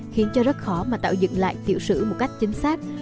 khiến cho rất khó mà tạo dựng lại tiểu sử một cách chính xác